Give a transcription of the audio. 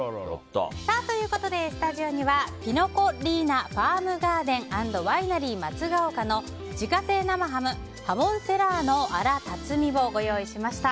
ということで、スタジオにはピノ・コッリーナファームガーデン＆ワイナリー松ヶ岡の自家製生ハムハモンセラーノアラタツミをご用意しました。